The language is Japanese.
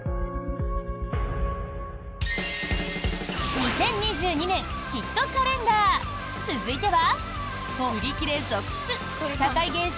２０２２年ヒットカレンダー続いては。